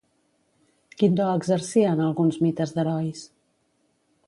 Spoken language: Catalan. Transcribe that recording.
Quin do exercia en alguns mites d'herois?